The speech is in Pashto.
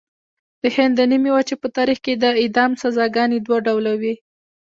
د هند د نیمې وچې په تاریخ کې د اعدام سزاګانې دوه ډوله وې.